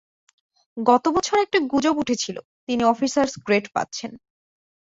গত বছর একটা গুজব উঠেছিল, তিনি অফিসার্স গ্রেড পাচ্ছেন।